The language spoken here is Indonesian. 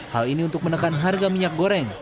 hal ini untuk menekan harga minyak goreng